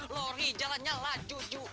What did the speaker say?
lor hijalannya laju ju